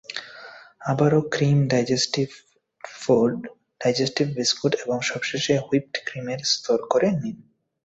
আবারও cream, digestive biscuit এবং সবশেষে হুইপড ক্রিমের স্তর করে নিন।